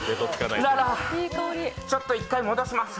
ララァ、ちょっと一回戻します。